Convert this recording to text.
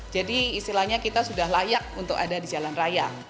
jadi istilahnya kita sudah layak untuk ada di jalan raya